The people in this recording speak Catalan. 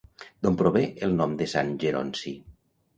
D'on prové el nom de Sant Geronci?